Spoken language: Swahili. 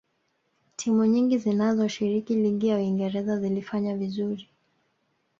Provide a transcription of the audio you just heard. timu nyingi zinazoshiriki ligi ya uingereza zilifanya vizuri